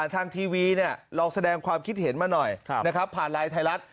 ทางทีวีลองแสดงความคิดเห็นมาหน่อยนะครับผ่านไลน์ไทยรัฐ